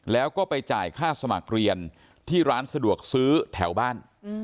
แล้วก็ไปจ่ายค่าสมัครเรียนที่ร้านสะดวกซื้อแถวบ้าน